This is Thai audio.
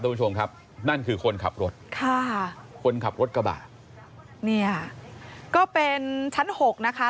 คุณผู้ชมครับนั่นคือคนขับรถค่ะคนขับรถกระบะเนี่ยก็เป็นชั้นหกนะคะ